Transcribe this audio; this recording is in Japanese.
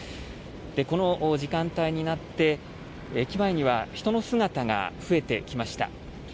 この時間帯になって、駅前には人の姿が増えてきました。